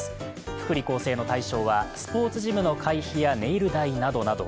福利厚生の対象はスポーツジムの会費やネイル代などなど。